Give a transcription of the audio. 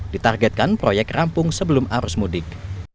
ditargetkan proyek rampung sebelum arus mudik